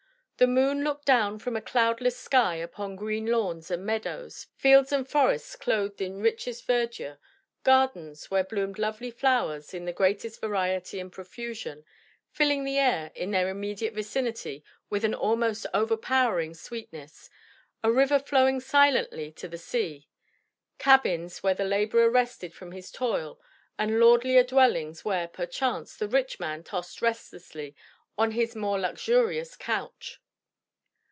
The moon looked down from a cloudless sky upon green lawns and meadows, fields and forests clothed in richest verdure; gardens, where bloomed lovely flowers in the greatest variety and profusion, filling the air in their immediate vicinity with an almost overpowering sweetness; a river flowing silently to the sea; cabins where the laborer rested from his toil, and lordlier dwellings where, perchance, the rich man tossed restlessly on his more luxurious couch.